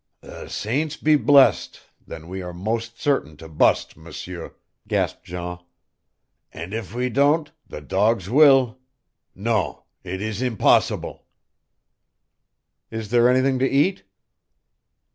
"The saints be blessed, then we are most certain to bust, M'seur," gasped Jean. "And if we don't the dogs will. Non, it is impossible!" "Is there anything to eat?"